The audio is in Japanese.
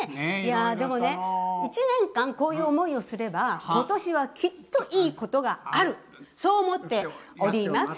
でもね一年間こういう思いをすれば今年はきっといいことがあるそう思っております。